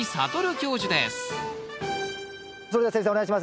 それでは先生お願いします。